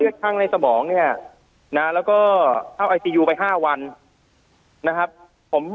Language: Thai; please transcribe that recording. เลือกทางในสมองเนี้ยน่ะแล้วก็เข้าไปห้าวันนะครับผม